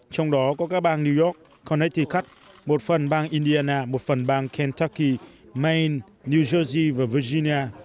trong đó có các bang new york connecticut một phần bang indiana một phần bang kentucky maine new jersey và virginia